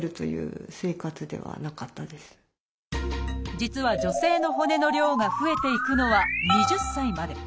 実は女性の骨の量が増えていくのは２０歳まで。